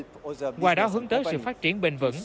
ngoài đó hướng tới sự phát triển bền vững